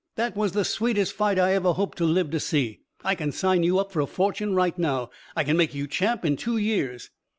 That was the sweetest fight I ever hope to live to see. I can sign you up for a fortune right now. I can make you champ in two years."